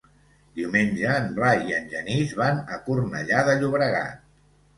Diumenge en Blai i en Genís van a Cornellà de Llobregat.